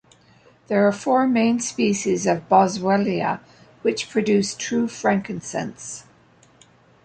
There are four main species of "Boswellia" which produce true frankincense.